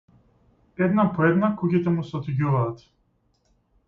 Една по една куќите му се отуѓуваат.